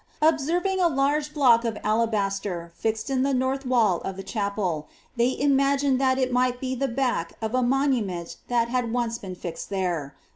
Observing a vge block of alabaster fixed in the north wall of the chapel, they magined that it might be the back of a monument that had once been ized there.